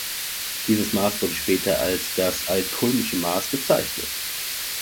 Dieses Maß wurde später als das altkulmische-Maß bezeichnet.